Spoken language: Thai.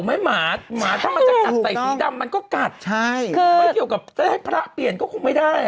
มันก็กัดไม่เกี่ยวกับถ้าให้พระเปลี่ยนก็คงไม่ได้